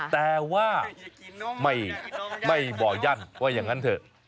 แต่ว่าไม่บ่อยั่นว่าอย่างนั้นเถอะ